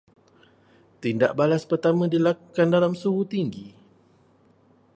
Tindak balas pertama dilakukan dalam suhu tinggi